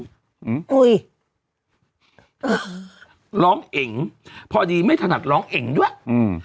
อืมคุยเออร้องเองพอดีไม่ถนัดร้องเอ๋งด้วยอืม